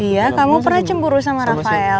iya kamu pernah cemburu sama rafael